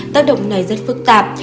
tác động này rất phức tạp